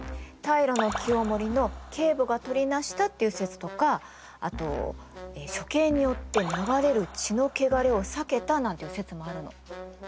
平清盛の継母がとりなしたっていう説とかあと処刑によって流れる血の穢れを避けたなんていう説もあるの。